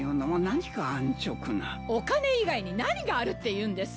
お金以外に何があるっていうんです？